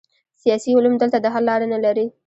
سیاسي علوم دلته د حل لاره نلري.